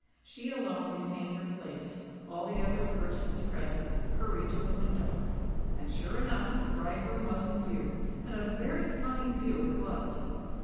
She alone retained her place: all the other persons present hurried to the window. And, sure enough, the bridegroom was in view; and a very funny view it was.